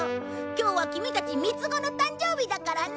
今日はキミたち三つ子の誕生日だからね。